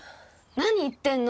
何言ってんの！